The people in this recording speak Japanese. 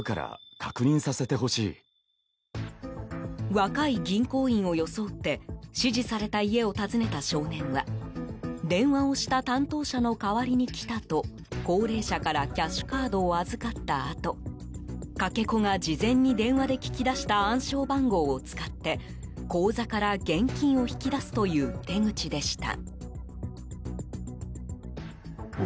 若い銀行員を装って指示された家を訪ねた少年は電話をした担当者の代わりに来たと高齢者からキャッシュカードを預かったあとかけ子が事前に電話で聞き出した暗証番号を使って口座から現金を引き出すという手口でした。